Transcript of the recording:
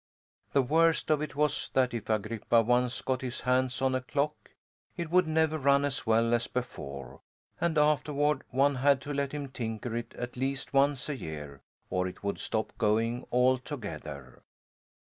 The worst of it was that if Agrippa once got his hands on a clock it would never run as well as before, and afterward one had to let him tinker it at least once a year, or it would stop going altogether.